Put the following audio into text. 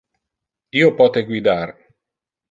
Io pote guidar.